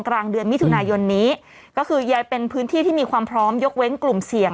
กลางเดือนมิถุนายนนี้ก็คือยังเป็นพื้นที่ที่มีความพร้อมยกเว้นกลุ่มเสี่ยง